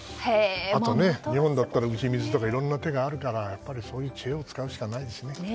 あとは日本だったら打ち水とかいろんな手があるからそういう知恵を使うしかないですね。